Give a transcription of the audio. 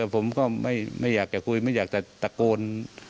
ผมก็ไม่อยากจะคุยไม่อยากจะตะโกน